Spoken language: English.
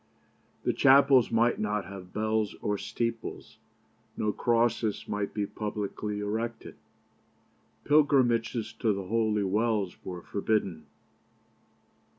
The chapels might not have bells or steeples. No crosses might be publicly erected. Pilgrimages to the holy wells were forbidden.